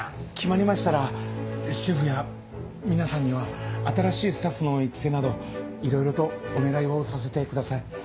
決まりましたらシェフや皆さんには新しいスタッフの育成などいろいろとお願いをさせてください。